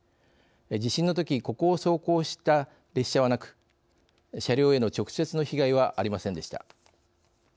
地震のときここを走行した列車はなく車両への直接の被害はありませんでした。